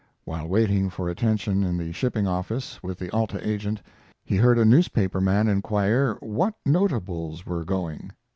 While waiting for attention in the shipping office, with the Alta agent, he heard a newspaper man inquire what notables were going.